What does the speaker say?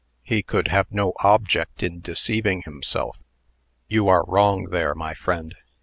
He could have no object in deceiving himself." "You are wrong there, my friend.